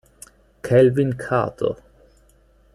Kelvin Cato